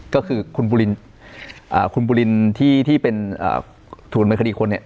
ก็คือคุณบุรินที่เป็นถูกอำนาจมายคดีคน